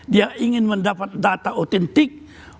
dia ingin mendapat data otentik